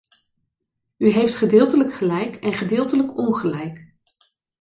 U heeft gedeeltelijk gelijk en gedeeltelijk ongelijk.